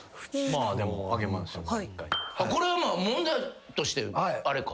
これはまあ問題としてあれか。